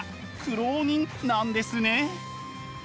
苦労人なんですね。